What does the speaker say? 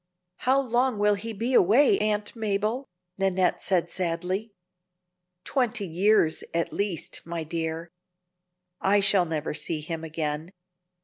"How long will he be away, Aunt Mabel?" said Nannette, sadly. "Twenty years at least, my dear. I shall never see him again.